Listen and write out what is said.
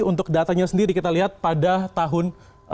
untuk datanya sendiri kita lihat pada tahun dua ribu sembilan belas